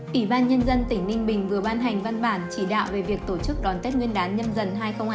ủy ban nhân dân tỉnh ninh bình vừa ban hành văn bản chỉ đạo về việc tổ chức đón tết nguyên đán nguyên đán hai nghìn hai mươi hai